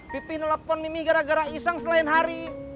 pipi nelafon mimi gara gara iseng selain hari